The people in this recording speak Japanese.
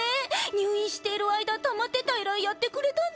入院している間たまってた依頼やってくれたんでしょ？